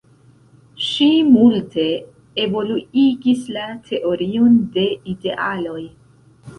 Ŝi multe evoluigis la teorion de idealoj.